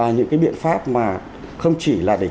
những cái biện pháp mà không chỉ là để